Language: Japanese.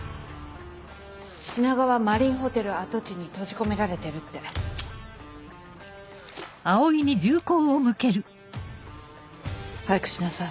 「品川マリンホテル跡地に閉じ込められてる」って。早くしなさい。